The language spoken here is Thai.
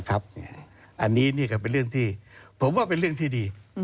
อันนี้นี่ก็เป็นเรื่องที่ผมว่าเป็นเรื่องที่ดี